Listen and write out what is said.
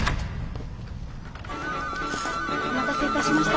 お待たせいたしました。